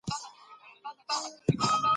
لوستې میندې د ماشوم سالم ژوند ته ژمن وي.